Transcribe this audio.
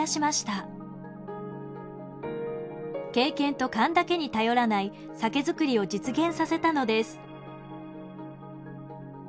経験と勘だけに頼らない酒造りを実現させたのです。